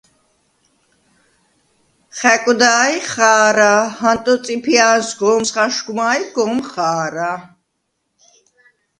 “ხა̈კვდა̄-ჲ ხა̄რა! ჰანტო წიფია̄ნს გომს ხაშგვმა ი გომ ხა̄რა!”